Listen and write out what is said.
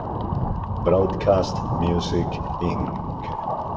Broadcast Music, Inc.